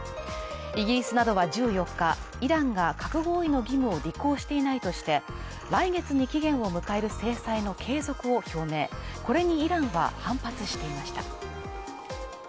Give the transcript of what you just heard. イギリスなどは１４日イランが核合意の義務を履行していないとして、来月に期限を迎える制裁の継続を表明、これにイランは反発していました。